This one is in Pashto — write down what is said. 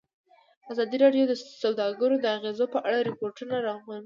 ازادي راډیو د سوداګري د اغېزو په اړه ریپوټونه راغونډ کړي.